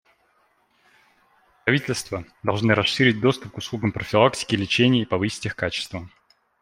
Правительства должны расширить доступ к услугам профилактики и лечения и повысить их качество.